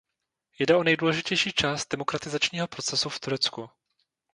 Jde o nejdůležitější část demokratizačního procesu v Turecku.